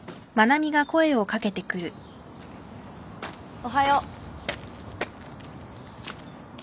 ・おはよう。